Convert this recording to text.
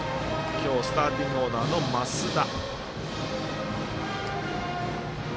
スターティングオーダーの増田。